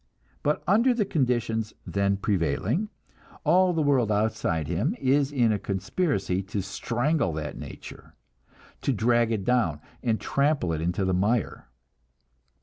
But under the conditions then prevailing, all the world outside him is in a conspiracy to strangle that nature, to drag it down and trample it into the mire.